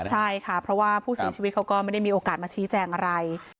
ใช่ค่ะเพราะว่าผู้เสียชีวิตเขาก็ไม่ได้มีโอกาสมาชี้แจงอะไร